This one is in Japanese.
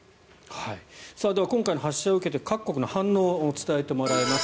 では、今回の発射を受けて各国の反応を伝えてもらいます。